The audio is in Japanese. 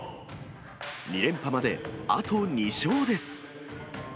２連覇まであと２勝です。